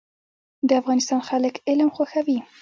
د افغانستان خلک علم خوښوي